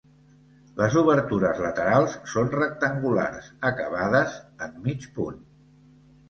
Les obertures laterals són rectangulars acabades en mig punt.